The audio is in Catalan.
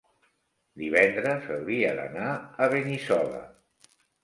Divendres hauria d'anar a Benissoda.